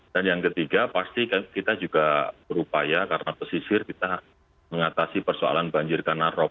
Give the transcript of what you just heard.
dan yang ketiga pasti kita juga berupaya karena pesisir kita mengatasi persoalan banjir karena rop